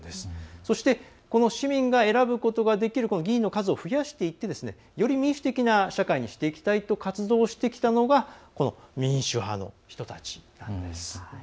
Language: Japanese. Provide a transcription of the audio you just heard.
そして、この市民が選ぶことができる議員の数を増やしていってより民主的な社会にしていきたいと活動してきたのが民主派の人たちなんです。